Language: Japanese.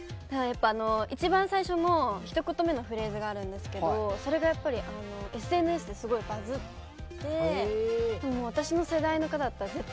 一番最初の一言目のフレーズがあるんですけどそれがやっぱりＳＮＳですごいバズって私の世代の方だったら絶対聴いたことある。